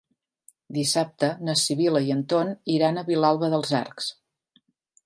Dissabte na Sibil·la i en Ton iran a Vilalba dels Arcs.